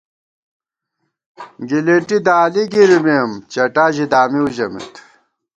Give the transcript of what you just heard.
گلېٹی دالی گِرِمېم ، چٹا ژی دامِؤ ژَمېت